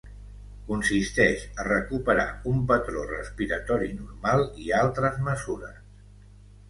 Consisteix a recuperar un patró respiratori normal i altres mesures.